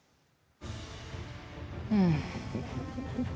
うん。